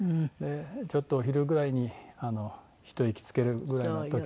ちょっとお昼ぐらいにひと息つけるぐらいな時に。